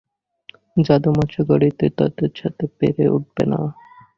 জাদু মৎস্য গতিতে তাদের সাথে পেরে উঠবে না।